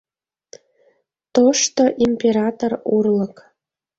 — Тошто «император» урлык.